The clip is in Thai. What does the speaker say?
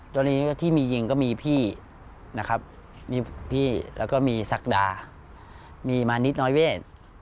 ตอนนี้ที่มียิงก็มีพี่นะครับมีพี่แล้วก็มีศักดามีมานิดน้อยเวท